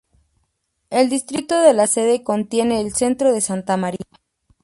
El distrito de la Sede contiene el centro de Santa Maria.